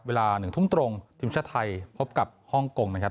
เวลา๑ทุ่มตรงทีมชาติไทยพบกับฮ่องกงนะครับ